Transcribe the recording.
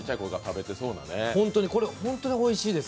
これ、本当においしいです。